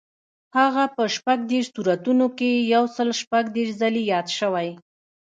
هغه په شپږ دېرش سورتونو کې یو سل شپږ دېرش ځلي یاد شوی.